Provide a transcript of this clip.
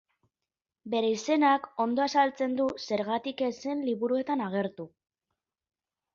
Bere izenak ondo azaltzen du zergatik ez zen liburuetan agertu.